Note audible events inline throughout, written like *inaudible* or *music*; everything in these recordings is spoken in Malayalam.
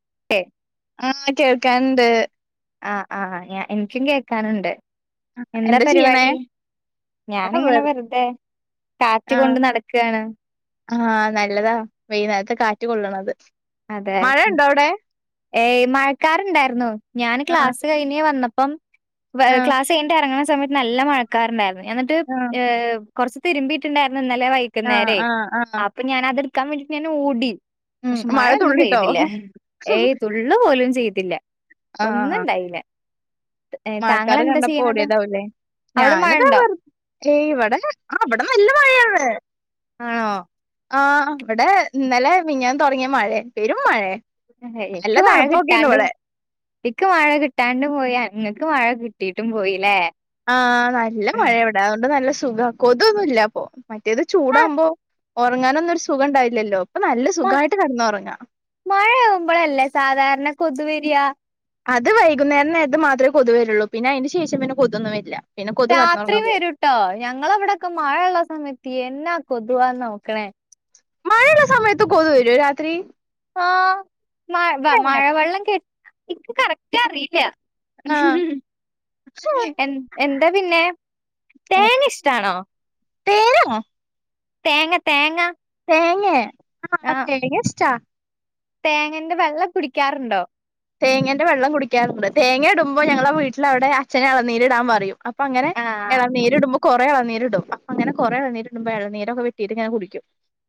*unintelligible* ആഹ് കേൾക്കണ്ട് ആഹ് ആഹ് ഞാൻ എനിക്കും കേൾക്കാനുണ്ട് എന്താ പരിപാടി ഞാനിങ്ങനെ വെറുതെ കാറ്റ് ആഹ് കൊണ്ട് നടക്കാണ് ആഹ് നല്ലതാ വൈകുന്നേരത്തെ കാറ്റ് കൊള്ളണം അതെ ഏയ് മഴക്കാറുണ്ടായിരുന്നു ഞാൻ ആഹ് ക്ലാസ് കഴിഞ്ഞ് വന്ന പ്പം ആഹ് ക്ലാസ് കഴിഞ്ഞിട്ട് ഇറങ്ങണ സമയത്ത് നല്ല മഴക്കാറുണ്ടായിരുന്നു എന്നട്ട് ആഹ് ഏഹ് കുറച്ച് തിരുമ്പിയിട്ടുണ്ടായിരുന്നു ഇന്നലെ ആഹ് വൈകുന്നേരെ ആഹ് ആഹ് അപ്പൊ ഞാൻ അത് എടുക്കാൻ വേണ്ടിട്ട് ഞാൻ ഓടി ഉം പക്ഷെ മഴ ഒന്നും തുള്ളിട്ടോ പെയ്തില്ല ഏയ് തുള്ള് പോലും ചെയ്തില്ല ആഹ് ഒന്നുണ്ടായില്ല മഴക്കാറ് കണ്ടപ്പോ ഓടിയതാവൂല്ലേ അവിടെ മഴ ഞാനതാ ഉണ്ടോ വർ ഏയ് ഇവിടെ ആഹ് ഇവിടെ നല്ല മഴാണ് ആണോ ആഹ്... ഇവിടെ ഇന്നലെ മിനിയാന്ന് തോടങ്ങിയ മഴയെ പെരും മഴയെ. എനിക്ക് മഴ കിട്ടാണ്ടും നിക്ക് മഴ കിട്ടാണ്ടും പോയ അങ്ങ്. ക്ക് മഴ കിട്ടീട്ടും പോയില്ലേ! ആഹ്.. നല്ല മഴ ഇവിടെ, അതുകൊണ്ട് നല്ല സു- ഖം കൊതുകൊന്നുല്ലാ അപ്പൊ, മറ്റേത് ആഹ് ചൂടാകുമ്പോ ഉറങ്ങാനൊന്നും ഒരു സുഖം ഉണ്ടാവില്ലല്ലോ. ഇപ്പൊ നല്ല മ.. സുഖമായിട്ട് കിടന്നുറങ്ങ മഴയാകുമ്പോളല്ലേ സാധാരണ കൊതുക് വര്യാ? അത് വൈകുന്നേരം നേർത്ത് മാത്രേ കൊതുക് വരുള്ളൂ പിന്നെ- അതിന് ശേഷം പിന്നെ കൊതുകൊന്നും വരില്ല. പിന്നെ കൊതു കടന്നുറങ്ങാൻ രാത്രിയും പോകും വരൂട്ടോ ഞങ്ങളവിടെക്കെ മഴയുള്ള സമയത്ത് യെന്ന- കൊതുവാന്നോക്കണേ. മഴയുള്ള സമയത്ത് കൊതുക് വരുവോ രാത്രി? ആഹ് മഴ മഴ വെള്ളം- കെട്ടി.. എനിക്ക് കറക്റ്റ് അറിയില്ല. ആഹ് ഉം.. ! എന്... എന്താ പിന്നെ തേങ്ങ- ഇഷ്ടാണോ? ഉം. ഉം... ! തേങ്ങ.. തേങ്ങ.. ! തേങ്ങേ.. ആഹ് തേങ്ങ ഇഷ്ടാ! തേങ്ങന്റെ വെള്ളം കുടിക്കാറുണ്ടോ? തേങ്ങന്റെ വെള്ളം കുടിക്കാറുണ്ട്. തേങ്ങ ഇടുമ്പോ ഞങ്ങളെ- വീട്ടിലവിടെ അച്ചന് അളനീരി ഇടാൻ പറയും. അപ്പോ അങ്ങനെ ആഹ് എളനീര് ഇടുമ്പോ കൊറ റെ എളനീര് ഇടും, അപ്പ അങ്ങനെ കൊറെ എളനീര് ഇടുമ്പ എളനീരൊക്കെ വെട്ടിയിട്ടു ഇങ്ങനെ കുടിക്കും.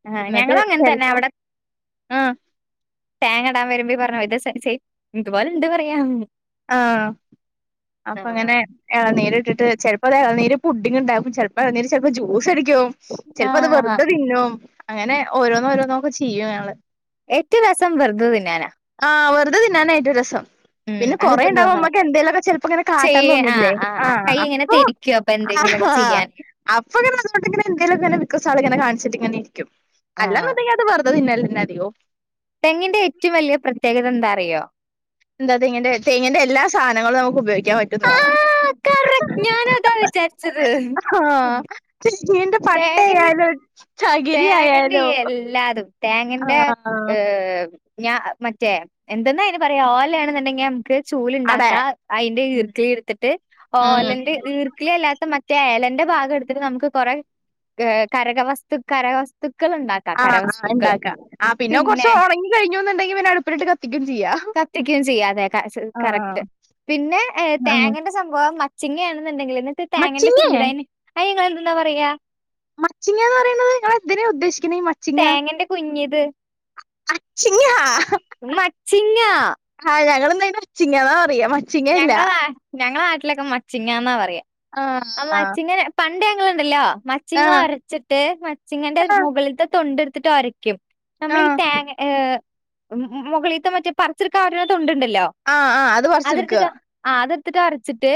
ആഹ് എന്നട്ട് ഞങ്ങളും അങ്ങനെ തന്നെ ചെലപ്പോ, അവിടെ ആഹ്.. തേങ്ങ ഇടാൻ വരുമ്പ ഈ പറഞ്ഞ- പോലെ ഇത് ചെയ് ഇത് പോലെ എന്ത് പറയും. ആഹ് അപ്പ അങ്ങനെ എളനീര് ഇട്ടിട്ട് ചെലപ്പ ദേ എളനീര്- പുഡ്ഡിംഗ് ഉണ്ടാക്കും, ചെലപ്പ- എന്തെങ്കിലും ചെലപ്പ ജ്യൂസ് അടിക്കും, ചെലപ്പോ അത് ആഹ് ആഹ് വെറുതെ തിന്നും. അങ്ങനെ ഓരോന്നോ ഓരോന്നോ- ഒക്കെ ചെയ്യും ഞങ്ങങ്ങള്. ഏറ്റവും രസം വെറുതെ തിന്നാന! ആഹ് വെറുതെ തിന്നാനായിട്ട് രസം. ഉം പിന്നെ കൊറെ അതെക്കും ഉണ്ടാവുമ്പോ- നമ്മക്ക് തോന്നാറുണ്ട് എന്തേലുമൊക്കെ ചെലപ്പോ ഇങ്ങനെ കാട്ടാന് ചെയ്യ തൊന്നില്ലേ ആ അപ്പൊ- എന്തില ഒക്കെ ആ ചെയ്യാൻ. *unintelligible* *unintelligible* ഇരിക്കും, അല്ലാന്ന് ഉണ്ടങ്കിൽ അത് വെുതെ തിന്നാലായിക്കും. തേങ്ങിന്റെ ഏറ്റവും വലിയ പ്രത്യേകത എന്താ അറിയോ? എന്താതേങ്ങിന്റെ തേങ്ങിന്റെ എല്ലാ- സാധനങ്ങളും നമുക്ക് ഉപയോഗിക്കാൻ പറ്റുന്നതാ! ആഹ് കറക്റ്റ് ഞാനും അതാ ആഹാ.. വിചാരിച്ചത് ഹാ.. ഉം ഹാ.. ! നീയന്റെ തേങ്ങൻ പട്ടയലാ. തേങ്ങന്റെ എല്ലാതും.. ആ തേങ്ങന്റെ ഏ- ഞാ.. മറ്റേ എന്തെന്നാ ഐനെ പറയാ ഓലായാണന്നുണ്ടെങ്ങ? ചൂല് അടെ ഉണ്ടാക്കാം, അതിന്റെ- ഉം ഈർക്കിളി എടുത്തിട്ട് ഉം. ഓലന്റെ- ഈർക്കിളി അല്ലാത്ത മ- *unintelligible* ഇല്ലന്റെ ഭാഗ എടുത്തിട്ട് നമുക്ക് കുറെ കരകവസ്തു കാരക്കക കരകവസ്തു *unintelligible* ആ ഉണ്ടാക്കാം ആ പിന്നെ കൊറച്ച്- ഉണങ്ങി കഴിഞ്ഞുന്നുണ്ടെങ്കി പിന്നെ അടുപ്പിലിട്ട് കത്തിക്കും ചെയ്യാ. കത്തിക്കയും ചെയ്യാതെ ആ കറക്റ്റ്! പിന്നെ ആ തേങ്ങന്റെ സംഭവം- ചിങ്ങയാണെന്നുണ്ടെങ്കിൽ, എന്നിട്ട് തേങ്ങന്റെ മച്ചിങ്ങേ കുഞ്ഞുതെങ്ങയെ- അയ്ന് നിങ്ങളെന്ത്‌ന്നാ പറയാ? മച്ചിങ്ങന്ന് പറയുന്നത്! ഞ ഇതിനെ ഉദ്ദേശി- തേങ്ങന്റെ കുഞ്ഞിത്! അച്ചിങ്ങ ആ.. മച്ചിങ്ങ ഞങ്ങള് അതിനെ- അച്ചിങ്ങ എന്നാ പറയാ! മച്ചിങ്ങയല്ല ഞങ്ങള ഞങ്ങളെ നാട്ടിലൊക്കെ- മച്ചിങ്ങന്നാ പറയാ. ആ മച്ചിങ്ങനെ പ- *unintelligible* ണ്ടല്ലോ ആ മച്ചിങ്ങ അരച്ചിട്ട് മച്ചിങ്ങന്റെ ആ മുകളിലത്തെ- തൊണ്ട് എടുത്തിട്ട് ഒരക്ക- ക്കും ആ നമ്മളീ ഈ തേങ്ങ മുകളിൽത്തെ, മറ്റേ പറച്ച്- എടുക്കനൊരു തോണ്ട് ഉണ്ട്. ആ.. ആ.. അത്! പറിച്ചെടുക്കുക അതെടുത്തിട്ടാ ആ.. അതെടുത്തിട്ട് അരച്ചിട്ട്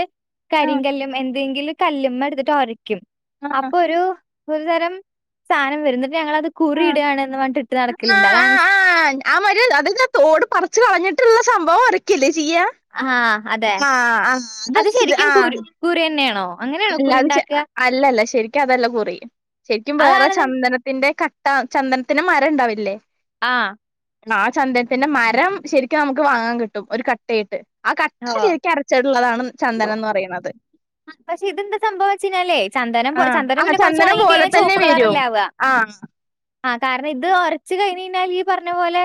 ആ കരിങ്കല്ലുമേൽ- *unintelligible* കല്ലുമ്മ എടുത്തിട്ട് ഒരക്കും ആ അപ്പൊ ഒരു ഒരു തരം സാധനം വരും ഞങ്ങളത് കുറി ആ ഇടാണ്ന്ന് പറഞ്ഞിട്ട് ഇട്ട് ആ നടക്കലുണ്ട്. ആ അതാണ് ശ് ആ ആ മര് അത് തോട് പറച്ച് കളഞ് സഭവം ഒരക്കെല്ലേ ചെയ്യാ ആ അതെ ആ ആ അത് അതരച്ചിട്ട് ശരിക്കും ആ കുരു കുറി തന്നെയാണോ അങ്ങനെയാണോ അല്ല അത് അല്ലല്ല ശരിക്കും അതെല്ല കുറി ശരിക്കും വേറെ അതാണ്ന്ന് ചന്ദനത്തിന്റെ ക ചന്ദനത്തിന് മരം ഉണ്ടാവില്ലേ ആ ആ ചന്ദനത്തിന്റെ മരം ശരിക്കും നമുക്ക് വാങ്ങാൻ കിട്ടും ഒരു കട്ടയിട്ട് ആ കട്ട ഓഹ്. ശരിക്ക അരച്ചിടുള്ളതാണ് ചന്ദന എന്ന് പറയുന്നത് ഇത് പിന്നെ ന്താ സംഭവം എന്ന് വെച്ചാലേ ചന്ദനം ചന്ദനം ആ പിന്നെ കുറച്ച് പോലെ ഉണങ്ങിക്കഴഞ്ഞാ തന്നെ ചുവപ്പ് വരും കളറല്ലാവുക ആ ആ കാരണം ഇത് ഒറച്ച് കഴിഞ്ഞഞ് കഴിഞ്ഞാൽ ഈ പറഞ്ഞ പോലെ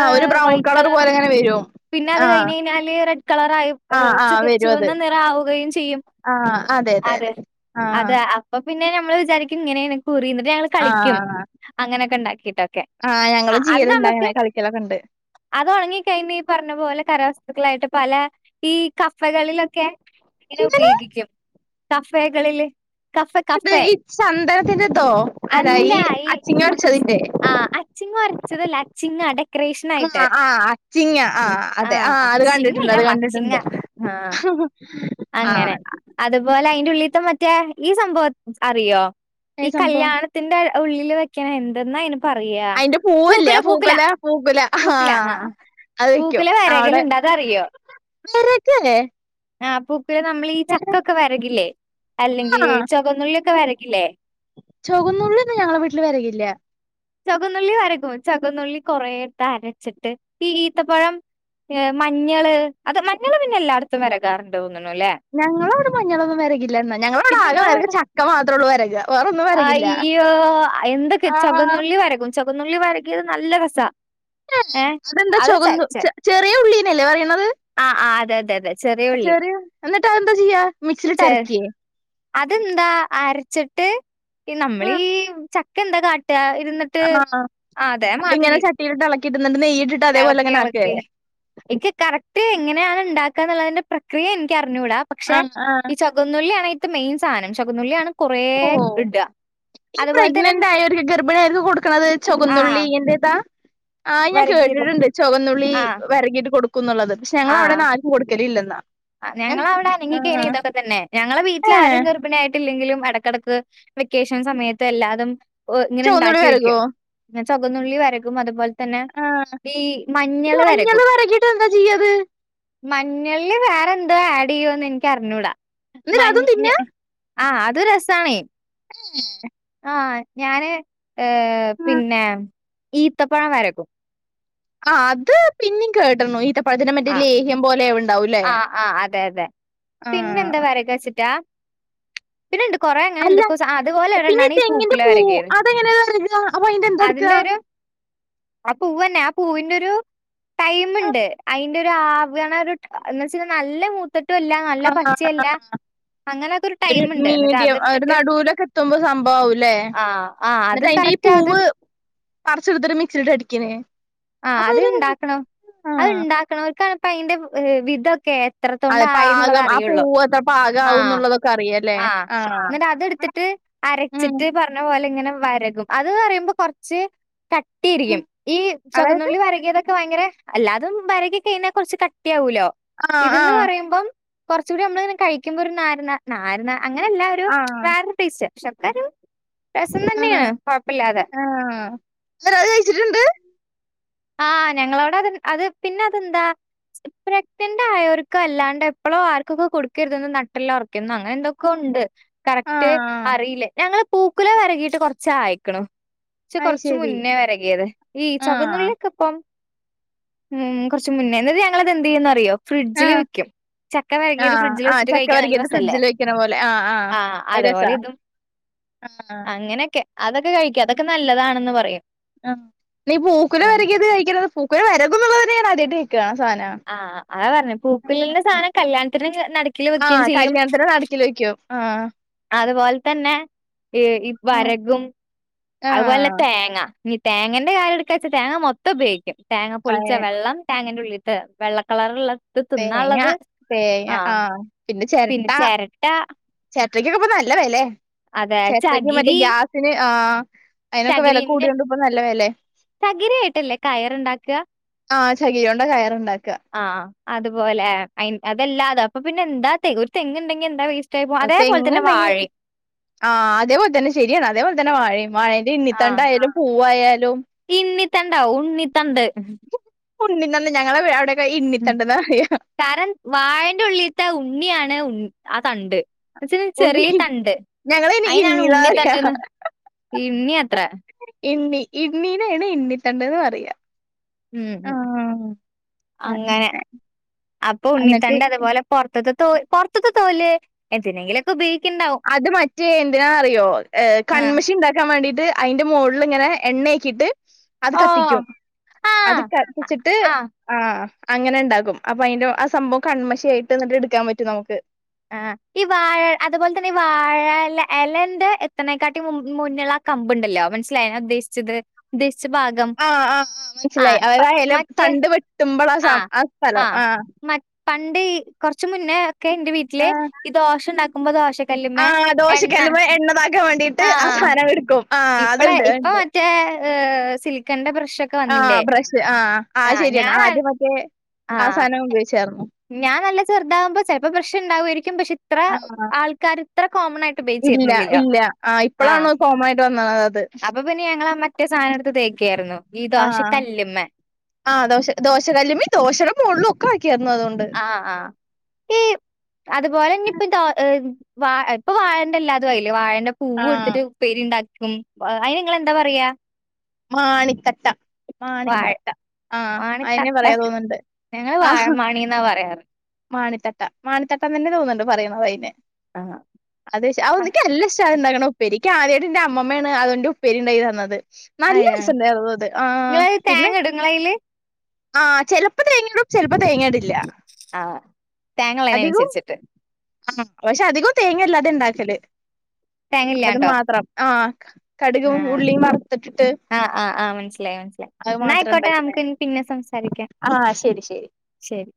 ആ ഏ ഒരു ബ്രൗൺ വൈറ്റ് കളർ പോലെ കളറും അങ്ങനെ വരും പിന്നെ അത് ആ കഴിഞ്ഞ് കഴിഞ്ഞാല് റെഡ് കളറ ആയി ആ ആ ചുവ വരും അത് ചുവന്ന നിറ ആവുകയും ചെയ്യും ആ അതെ അതെ ആ അതെ. അപ്പൊ പിന്നെ നമ്മൾ വിചാരിക്കും ഇങ്ങനേണ് കുറീന്ന് പിന്നെ ഞങ്ങൾ ആ കളിക്കും അങ്ങനെ ഒക്കെ ഉണ്ടാക്കിയിട്ടൊക്കെ ആ ഞങ്ങളും അത് ചെയ്യലുണ്ട് നമുക്ക് അങ്ങനെ കളിക്കലൊക്കെ ഉണ്ട് അത് ഉണങ്ങിക്കഴിഞ് പറഞ്ഞ പോലെ കരവസ്തുക്കളായിട്ട് പല ഈ കപ്പകളിലൊക്കെ ഇതിനെ എന്തിന് ഉപയോഗിക്കും തഫെകളില് കഫ ഇത് കഫെ ഈ ചന്ദനത്തിന്റെതോ അല്ല അല്ലാ ഈ അച്ചിങ്ങ അരച്ചതിന്റെ ആ ചിങ്ങ വരച്ചതല്ല ചിങ്ങാ ഡെക്കറേഷൻ ആ ആയിട്ട് ആ അച്ചിങ്ങ ആ അതെ അത് കണ്ടിട്ടുണ്ട് അച്ചിങ്ങല്ല അത് മ അച്ചിങ്ങ കണ്ടിട്ടുണ്ട് ആ ആ അങ്ങനെ അതുപോലെ അയിന്റെ ഉള്ളിത്ത മറ്റേ ഈ സംഭവം അറിയോ ഈ കല്യാണത്തിന്റെ ഉള്ളിൽ വെക്കണ എന്തെന്നാ അയ് അയിന്റെ പൂവല്ല പൂക്കോല പൂക്കോല ആ അത് വെക്കും പൂക്കുല അവിടെ വെരകലുണ്ട് അതറിയോ വേറെക്കല്ലെ ആ പൂക്കുല നമ്മൾ ഈ ചക്കൊക്കെ വരകില്ലേ അല്ലെങ്കിൽ ചുവന്നുള്ളിൊക്കെ വരകില്ലേ ച്ചോകുന്നുള്ളിന്നും ഞങ്ങളെ വീട്ടില് വരകില്ല ചോകുന്നുള്ളി വരകും ചോകുന്നുള്ളി കൊറയിടുത്ത് അരച്ചിട്ട് ഈ ഈത്തപ്പഴം മഞ്ഞള് അത് മഞ്ഞള് പിന്നെ എല്ലായിടത്തും വരകാറുണ്ട് തോന്നുന്നു അല്ലേ! ഞങ്ങളോട് മഞ്ഞളൊന്നും വരകില്ല എന്നാ ഞങ്ങളോവിടെ പിന്നെ ആകെ നിങ്ങളെ വര ചക്ക മാത്രേ ഉള്ളൂ വരക വേറൊന്നും വരകില്ല അയ്യോ എന്തൊക്കെ ചകന്നുള്ളി വരകും ചകന്നുള്ളി വരകിയത് നല്ല കസ ഏ അതെന്താ ചകന്നു ചെറിയ ഉള്ളീനല്ലേ പറയണുന്നത് ആഹ് ആഹ് അതെ അതെ അതെ ചെറിയ ഉള്ളി ചെറിയോ എന്നിട്ടാ എന്താ ചെയ്യാ മിക്സിലിട്ട ചെ അരക്കിയേ അതെന്താ അരച്ചിട്ട്ഈ ആ നമ്മലേളീഈ ചക്ക എന്താ കാ- ഇരുന്നിട്ട് ആ ആ അതെ അതിങ്ങനെ മാതിരി ചട്ടിയിലിട്ട് ഇളക്കിയിട്ട് എന്നിട്ട് നെയ്യിട്ടിട്ട് അതേപോലെ ഇളക്കി അങ്ങനെ ആക്ക ഇളക്കി ഇ കറ, എങ്ങനെയാണ് ഉണ്ടാക്കുക എന്നുള്ളതിന്റെ പ്രക്രിയ എനിക്ക് അറിഞ്ഞൂടാ പക്ഷെ ആഹ് ആഹ് ഈ ചുകന്നുള്ളിയാണ് മെയിൻ സാധനം ചകുനുള്ളിണ് കുറ ഓഹ് ഇടുക ഈ പ്രഗ്നന്റ് ആയ ഒരു ഗർഭിണിയ ആയിരിക്കും കൊടുക്കണത് ചുവന്നുള്ളി ആഹ് ഇങ്ങറേതാ ആഹ് ഞാൻ വരകിയത് കേട്ടിട്ടുണ്ട് ചുവന്നുള്ളി ആഹ് വരങ്ങിട്ട് കൊടുക്കുന്നുള്ളത് പക്ഷെ ഞങ്ങൾ അവിടെന്ന് ആാലും കൊടുക്കലല്ല ആ ഞങ്ങൾ അവിടെ അനങ്ങിക്കന ഇതൊക്കെ തന്നെ ഞങ്ങളെ വീട്ടിൽ ആാരും ഏഹ് ഗർഭിണിയായിട്ടില്ലെങ്കിലും ഇടക്കിടക്ക് വെക്കേഷൻ സമയത്ത് എല്ലാതും ഇങ്ങനെ ചുവന്നുള്ളി ഉണ്ടാക്കി വെരകോ വയ്ക്കും സ്ുഗന്നുള്ളി വരകും അതുപോലെ തന്നെ ആഹ് ഈ ഈ മഞ്ഞള് വരക്കും വെരകിട്ട് എന്താ ചെയ്യാത് മഞ്ഞളില് വേറെന്തോ ആഡ് ചെയ്യുവോന്ന് എനക്ക് അറിഞ്ഞൂടാ ഇന്ന് രാഗം മഞ്ഞ പിന്നെ ആഹ് അത്ൊ രസമാണ്േ ഉ ആ ഞാന് ഏർ പിന്നെ ഈത്തപ്പഴം വരക്കും ആ അത് പിന്നെ കേട്ടണു ഇത അപ്പഴത്തിെ മറ്റി ആഹ് ലേഹ്യം പോലെ ഉണ്ടാവൂല്ലേ ആഹ് ആഹ് അതെ അതെ പിന്നെ ആഹ പിന്നെ ഉണ്ട് കൊറെ അങ്ങനെ അല്ല എക്കോ അതുപോലെ പിന്നെ ഒണ്ണാണ് ഈ തെങ്ങിന്റെ പൂക്കില പൂവ് വരകിയത് അതെങ്ങനെ വെരക അപ്പൊ അയിന്റെ എന്താ എടുക്ക അതിന്റെ ആ പൂവന്നെ ആ പൂവിന്റെരു ടൈമുണ്ട് അയിന്റെറെ ഒരു ആവണ ഒരു എന്ന് വെച്ചൽ നല്ല മൂത്തട്ടും അല്ല നല്ല പച്ചല്ല ആഹ് അങ്ങനെൊക്കെ ഒരു ടൈമുണ്ട് എന്നിട്ട് മീഡിയം ഒരു അതെടുത്തിട്ട് നടൂലൊക്കെ എത്തുമ്പോ സംഭവാവൂലേ ആ ആ് അത തറ്റാത പറി ച്ചെടുത്ത മിക്സിീട്ട് അടിക്കണേ ആ അപ്പൊ ഒരു അത്ണ്ടാക്കണോ അത്ണ്ടാക്കണംക്കണപ്പ അതിന്റെ വിധൊക്കെ എത്രത്തോണ്ട അതെ ആയി എന്നുള്ളത പാകം ആ അറിയുള്ളൂ പൂവ് എത്ര പാകാവും ആഹ എന്നുള്ളതൊക്കെ അറിയല്ലേ ആ ആഹ് എന്നിട്ട് അതെടുത്തിട്ട് ഉം അരച്ചിട്ട് പറഞ്ഞ പോലെ ഇങ്ങനെ വരകും അത് പറയുമ്പോ കുറച്ച് കട്ടിയിരിക്കും ഉം ഈ അതായത് ചകന്നുള്ളി വരകിയതൊ ഭയങ്കര അല്ലാതും വരകി കഴിഞ്ഞാ കുറച്ച് കട്ടിയ ആാവൂലോ ആഹ് ഇതന്ന് ആഹ് പറയുമ്പം കുറച്ചൂടി നമ്മള ഇങ്ങനെ കഴിക്കുമ്പോാരാരുന്ന അങ്ങനെല്ല ഒരുീ ആഹ് പക്ഷക്കരും രസം ആഹ് തന്നെയാണ് കുഴപ്പില്ലാതെ ആഹ് എന്നിട്ട് അത് കഴിച്ചിട്ടുണ്ട് ആഹ് ഞങ്ങളവിടെ അത് അത് പിന്നെ അതെന്താ? പ്രക്ന്റെ ആയോർക്ക അല്ലാണ്ട് എപ്പോഴും ആർക്കൊക്കെ കൊടുക്കരുത നട്ടല്ല ഉറക്കുന്നു അങ്ങനെ എന്തൊക്കെ ഉണ്ട് കറക്റ്റ് ആഹ് അറിയില്ലേ ഞങ്ങള് പൂക്കുലം വരകിട്ട് കൊറച്ച ആയക്കണ പക്ഷെ അത് കൊറച്ച ശരി മുന്നേ വരകിയത് ഈ ആഹ് ചകന്നുള്ളി ഉ കുറച്ച് മുന്നേുന്നത് ഞങ്ങളത് എന്ത് ചെയ്യന്ന് അറിയോ ഫ്രിഡ്ജില് ആഹ് വിക്കും ചക്ക വരകിയത് ആഹ് ഫ്രിഡ്ജിൽ ആഹ് വെച്ചിട്ട് ചക്ക കഴിക്കാൻ നല്ല വരകിയത് രസല്ലേ ഫ്രിഡ്ജിൽ വെക്കണ പോലെ ആഹ് ആഹ് ആഹ അത് രസാ അതപോലെ ഇതും ആഹ് അങ്ങനെയൊക്കെ അതൊക്കെ കഴിക്കും അതൊക്കെ നല്ലതാണെന്ന് പറയും ആ നീ പൂക്കലം ആഹ് വരകിയത് കഴിക്കണ പൂക്കലം വരകുന്നുള്ള തന്നെ ഞൻ അടട്ട് കേക്ക ആഹ് അതാ പറഞ്ഞെ പൂക്കുലിന്റെ സാധനം കല്യാണത്തിന് നടുക്കില് ആഹ വെക്കുകയും ചെയ്യും കല്യാണത്തിന നടക്കിൽ വെക്കോ ആഹ അതുപോലെ തന്നെ ഈ വരകും അതുപോലെ ആഹ് തേങ്ങ തേങ്ങന്റെ കാല എടുക്കാച്ചാ തേങ്ങ മൊത്തം ഉപയോഗും തേങ്ങ അതെ പൊളിച്ച വെള്ളം തങ്ങേ് ഉള്ള ് വെള്ളക്കളറ ഉള്ള തേങ്ങ തേങ്ങ ആഹ പിന്നെ ചിരട്ട *unintelligible* നല്ല വെലെ അതെ ചേര്റ്റക്ക് മറ്റേ ചകിരി ഗ്യാസിന് ആ.. അയിനൊക്കെ വെല ചകിരിന്റെ കൂടിയോണ്ട് ഇപ്പൊ നല്ല വേലെ. ചകിരിയായിട്ടല്ലേ കയറുണ്ടാക്കുക ആ.. ചകിരിയോണ്ട കയറ്ണ്ടാക്കാ. ആ അതുപോലെ ഐൻ അതല്ലാതെ അപ്പൊ പിന്നെ എന്താ തെൻ ഒരു തെങ്ങുണ്ടെങ്കി എന്താ വേസ് ഒ തെങ്ങുണ്ടെങ്കി ആ.. അതേപോൽ തന്നെ ശെരിയാണ് അതേപോൽ തന്നെ വാഴയിം. വാഴന്റെ ആ ഇണ്ണിത്തണ്ടായാലും പൂവായാലും. ഇണ്ണിത്തണ്ടാവും ഉണ്ണിത്തണ്ട് *unintelligible* ഞങ്ങളെ. *unintelligible* ഉം ഇണ്ണിത്തണ്ട്ന്നാ പറയാ കാരം വാഴന്റെ ഉള്ളിൽത്തെ ഉണ്ണിയാണ് ഉൺ ആ തണ്ട്. ച്ക്ക് ചെറീ ഉണ്ണി തണ്ട് ഞങ്ങളയ്ന് അയിനാണ് ഇണ്ണീന്നാ പറയാ ഉണ്ണിത്തണ്ട്ന്ന്. ഇണ്ണ്യാത്രേ. ഇണ്ണി ഇണ്ണീനേണ് ഇണ്ണിത്തണ്ട്ന്ന് പറയാ. ഉം ഉ. ആഹ് അങ്ങനെ അപ്പൊ അന്നിട്ട് ഉണ്ണിത്തണ്ട് അത്പോലെ പൊറത്ത്തെ തൊ പൊർത്ത്തെ തോല് എന്തിനെങ്കിലൊക്കെ ഉപയോ അത് മറ്റേ എന്തിനാ അറിയോ ഏ ആഹ് കണ്മശി ഇണ്ടാക്കാൻ വേണ്ടീട്ട്. അയിന്റെ മോളിൽങ്ങനെ എണ്ണേക്കിയിട്ട്. അത് ഓ കത്തിക്കും അത് ആഹ് കത്തിച്ചിട്ട് ആഹ് ആഹ്. അങ്ങനെ ഇണ്ടാക്കും അപ്പൊ അതിന്റെ ആ സംഭവം കണ്മശി ആയിട്ട് ന്നിട്ട് ഇടുക്കാൻ പറ്റും നമുക്ക്. ആ ഈ വാഴ അതുപോലെ തന്നെ ഈ വാഴല എലന്റെ എത്ത്നേക്കാട്ടി മു മുന്നള്ളാ. കമ്പുണ്ടല്ലോ മനസ്സിലായ ഞാൻ ഉദ്ദേശിച്ചത്. *unintelligible* ആഹ് ആ ആ് മനസ്സിലായി ആഹ് അവരാ എല മറ്റേ തണ്ട് വെട്ടും മ്പളാ സം ആഹ് ആ സ്ഥലം ആഹ്. പണ്ട് കൊറ്ച് മുന്നേ ഒക്കെ ന്റെ വീട്ടില് ആഹ് ഇത് ദോശ ഇണ്ടാക്കുമ്പോ ദോശ് ച്ച കല്ല്മേ ആഹ് എണ്ണ ദോശക്കല്ലുമ്മെ എണ്ണതാക്കാൻ വേണ്ടിട്ട് ആ ആഹ. സാനം എടുക്കും ആഹ് ഇപ്പളെ അത്ണ്ട് ഇപ്പൊ അത്ണ്ട് മറ്റേ ഹ്.. സിൽക്കന്റെ ബ്ര ആഹ് ബ്രഷ് ആ അ ഹ് ഞാൻ ശെരിയാണ്. മറ്റേ ആ ആഹ് സാനം ഉപയോഗിച്ചർന്നു. ഞാൻ നല്ല ചെറുതാകുമ്പോ ചെലപ്പോ ബ്രഷ് ണ്ടാവോരിക്കും പക്ഷെ ഇത്ര ആഹ് ആൾക്കാര് ത്ര കോമൺ ആയിട്ട് ഇല്ല ഉപോഗിച്ചിരുന്നിലില്ല. ഇല്ല ആഹ് ആ ഇപ്പളാണ് കോമൺ ആയിട്ട് വന്നത് അത് അപ്പൊ പിന്നെ ഞങ്ങള മറ്റേ സാ സാനെടുത്ത് തേക്കയായിരുന്നു ഈ ദോശക്കല്ല്മെ. ആഹ് ദോശ ദോശകല്ല്മി ദോശടെ മോളിലും ഒക്കെ വെ ആഹ ആഹ് ഈ അതുപോലെന്നെ ഇപ്പത ഹ് വാ ഇപ്പൊ വാഴന്റെ എല്ലാതും ആയില്ലേ. വാഴന്റെ ആ പൂവ് ഇട്ത്തിട്ട് പ്പേരിണ്ടാ ഹ്മ് അയിന് ങ്ങളെന്താ പറയാ? മാണിത്തട്ട വാഴ മാണിത്തട്ട. ആഹ അയിനേ മാണിത്തട്ട പറയാ തോന്നുണ്ട്. ഞങ്ങള് ആഹ്. വാഴമാണിന്നാ പറയാറ് മാണിത്തട്ട മാണിത്തട്ടന്ന് തന്നെ തോന്നുണ്ട് പറയുണത് അയിന്. ആഹ് അതെ ശ അഒന്ന്ക്കെ നല്ല ഇഷ്ടം ഉണ്ടാകണം ഉപ്പേരി ക്കാദ്യാ ത് ന്റെ അമ്മമ്മേണ് അതിന്റെ ഉപ്പേരി ഉണ്ടാക്കി തന്നത്. നല്ല അയ്യോ സണ്ടായിരുന്നു അത് ആഹ് നിങ്ങള് പിന്നെ. തേങ്ങ ഇടും നിങ്ങളയില് ആഹ് ചെലപ്പോ തേങ്ങിടും ചെലപ്പോ തേങ്ങടില്ല. ആഹ് തേങ്ങളയിന് അൻസര്ച്ചിട്ട്. ആ പക്ഷെ അധികം തേങ്ങില്ല ത്ണ്ടാക്കല് തേങ്ങ അത് ഇല്ലാണ്ടോ മാത്രം ആ കടുകും ഉള്ളിയും വ ആ.. ആ.. ആഹ് മനസ്സിലായി മനസ്സിലായി അത് മാത്രം എന്നായിക്കോട്ടെ ഉണ്ടാക്കുന്നേ നമുക്ക് പിന്നെ സംസാരിക്കാം. ആ ശരി ശരി ശെരി.